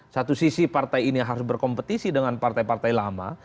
satu sisi partai ini harus berkompetisi dengan partai partai lama